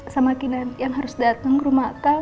sama kinanti yang harus datang ke rumah akang